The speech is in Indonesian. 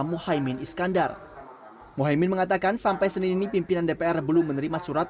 muhaymin iskandar mohaimin mengatakan sampai senin ini pimpinan dpr belum menerima surat